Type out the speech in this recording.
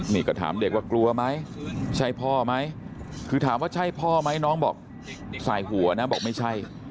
นี่ก็ถามเด็กว่ากลัวไหมใช่พ่อไหมคือถามว่าใช่พ่อไหมน้องบอกสายหัวนะบอกไม่ใช่